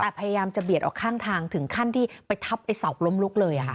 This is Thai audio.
แต่พยายามจะเบียดออกข้างทางถึงขั้นที่ไปทับไอ้เสาล้มลุกเลย